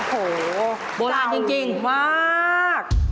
โอ้โหโบราณจริงมาก